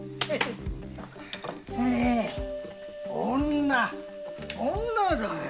女女だよ。